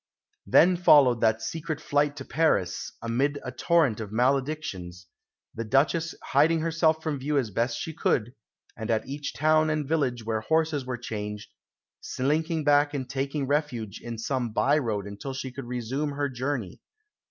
Then followed that secret flight to Paris, "amidst a torrent of maledictions," the Duchesse hiding herself from view as best she could, and at each town and village where horses were changed, slinking back and taking refuge in some by road until she could resume her journey.